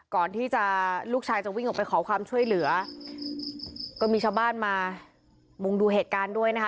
ก่อนที่จะลูกชายจะวิ่งออกไปขอความช่วยเหลือก็มีชาวบ้านมามุงดูเหตุการณ์ด้วยนะคะ